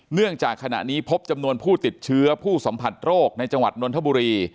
เนื่องจากขณะนี้พบจำนวนผู้ติดเชื้อผู้สัมผัสโรคในจังหวัดนนทบุรี